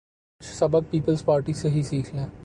کچھ سبق پیپلزپارٹی سے ہی سیکھ لیں۔